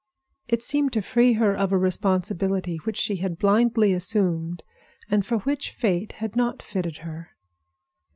It seemed to free her of a responsibility which she had blindly assumed and for which Fate had not fitted her.